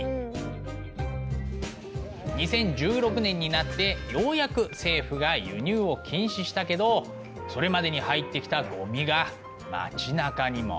２０１６年になってようやく政府が輸入を禁止したけどそれまでに入ってきたゴミが街なかにも。